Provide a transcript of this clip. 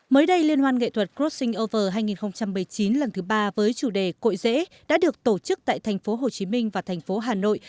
mới đây liên hoan nghệ thuật crossing over hai nghìn một mươi chín lần thứ ba với chủ đề cội dễ đã được tổ chức tại thành phố hồ chí minh và thành phố hà nội